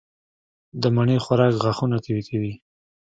د مڼې خوراک غاښونه قوي کوي.